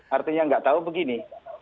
artinya tidak tahu begini